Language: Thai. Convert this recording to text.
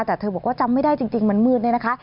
แต่เธอบอกว่าจำไม่ได้จริงมันมืดเนี่ยนะคะ